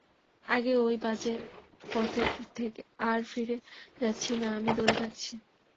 আগের ওই বাজে পথে আর ফিরে যাচ্ছি না, আমি দূরে থাকছি।